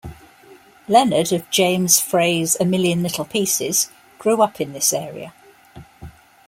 Leonard of James Frey's "A Million Little Pieces" grew up in this area.